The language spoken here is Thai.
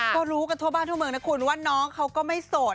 ก็รู้กันทั่วบ้านทั่วเมืองนะคุณว่าน้องเขาก็ไม่โสด